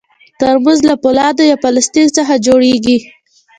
ترموز له فولادو یا پلاستیک څخه جوړېږي.